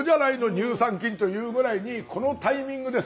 乳酸菌」というぐらいにこのタイミングです。